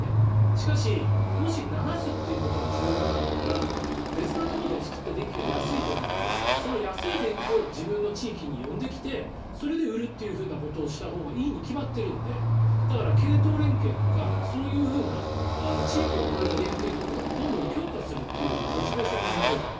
しかし、もし流すということが重要なんだったら別なところで作った電気が安い時にはその安い電気を自分の地域に呼んできてそれで売るということをしたほうがいいに決まってるんでだから、系統連系とかそういう地域を超えた連携とかをどんどん強化するというモチベーションが生まれると。